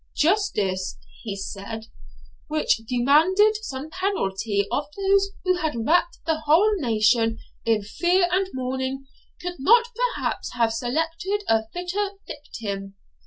'Justice,' he said, 'which demanded some penalty of those who had wrapped the whole nation in fear and in mourning, could not perhaps have selected a fitter victim.